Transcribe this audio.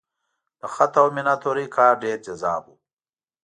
د خط او میناتورۍ کار ډېر جذاب و.